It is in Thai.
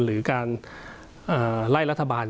หรือการไล่รัฐบาล